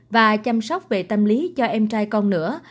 và chăm sóc về tâm lý cho em trai con nữa